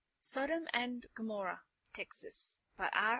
_ Sodom and Gomorrah, Texas By R.